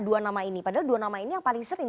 dua nama ini padahal dua nama ini yang paling sering